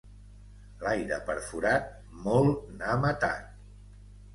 L'aire per forat, molt n'ha matat.